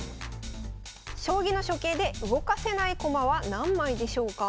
将棋の初形で動かせない駒は何枚でしょうか？